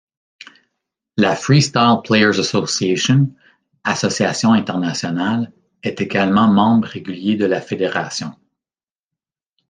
La Freestyle Players Association, association international, est également membre régulier de la fédération.